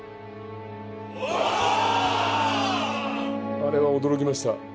あれは驚きました。